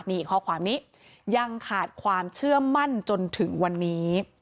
นี่ข้อความนี้ยังขาดความเชื่อมั่นจนถึงวันนี้